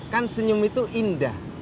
kan senyum itu indah